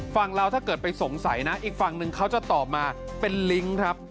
ฝั่งเราถ้าเกิดไปสงสัยนะอีกฝั่งหนึ่งเขาจะตอบมาเป็นลิงก์ครับ